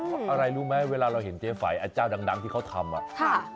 อะไรรู้ไหมเวลาเราเห็นเจฟัยอาจารย์ดังที่เขาทำ